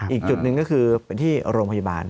อีกจุดนึงก็คือที่โรงพยาบาล